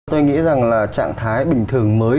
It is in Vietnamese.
tôi nghĩ rằng là trạng thái bình thường mới